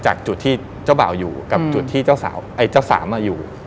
จากจุดที่เจ้าบ่าวอยู่กับจุดที่เจ้าสาวไอ้เจ้าสามอยู่